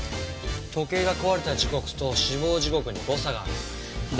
時計が壊れた時刻と死亡時刻に誤差があるんだ。